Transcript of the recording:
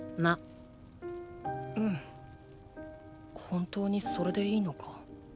本当にそれでいいのか？